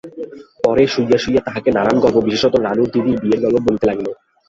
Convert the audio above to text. পরে শুইয়া শুইয়া তাহাকে নানান গল্প, বিশেষত রানুর দিদির বিয়ের গল্প বলিতে লাগিল।